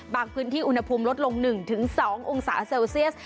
พื้นที่อุณหภูมิลดลง๑๒องศาเซลเซียส